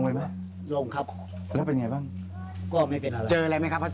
สงสัยนะครับบ่อนี้เคยแห้งไหมครับ